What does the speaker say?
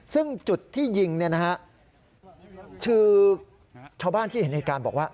ซึ่งจุดที่ยิงชาวบ้านที่เห็นในการบอกว่า